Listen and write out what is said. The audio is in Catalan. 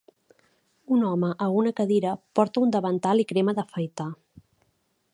Un home a una cadira porta un davantal i crema d'afaitar